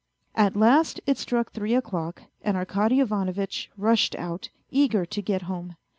At last it struck three o'clock, and Arkady Ivanovitch rushed out, eager to get home.